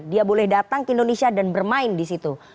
dia boleh datang ke indonesia dan bermain di situ